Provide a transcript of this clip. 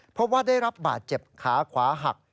เพราะว่าได้รับบาดเจ็บขาขวาหัก